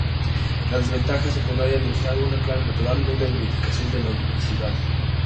La desventaja secundaria de usar una clave natural es la identificación de la unicidad.